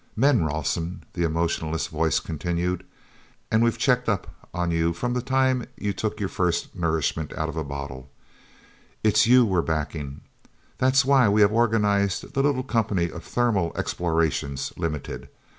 "Men, Rawson!" the emotionless voice continued. "And we've checked up on you from the time you took your nourishment out of a bottle; it's you we're backing. That's why we have organized the little company of Thermal Explorations, Limited.